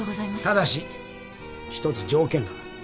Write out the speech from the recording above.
ただし１つ条件が